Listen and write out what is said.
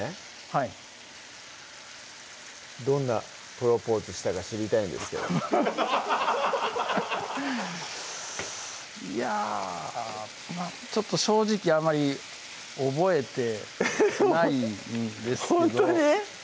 はいどんなプロポーズしたか知りたいんですけどいやちょっと正直あまり覚えてないんですけどほんとに？